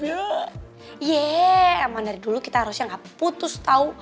iya emang dari dulu kita harusnya nggak putus tau